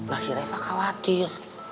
nah si reva khawatir